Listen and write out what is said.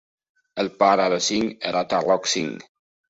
El pare de Singh era Tarlok Singh.